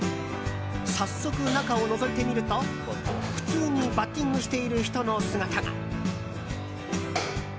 早速、中をのぞいてみると普通にバッティングしている人の姿が。